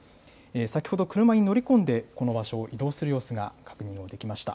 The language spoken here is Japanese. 先ほど、車に乗り込んで、この場所を移動する様子が確認をできました。